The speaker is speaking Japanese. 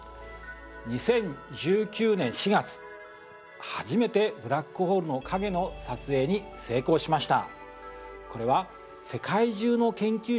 ２０１９年４月初めてブラックホールの影の撮影に成功しました。